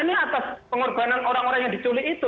ini atas pengorbanan orang orang yang diculik itu